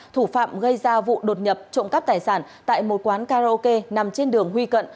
thủ phạm gây ra vụ đột nhập trộm cắp tài sản tại một quán karaoke nằm trên đường huy cận